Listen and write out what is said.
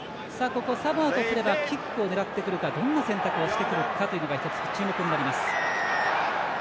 サモアとすればキックを狙ってくるかどんな選択をしてくるかというのが一つ注目になります。